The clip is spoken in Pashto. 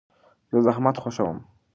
زه زحمت خوښوم.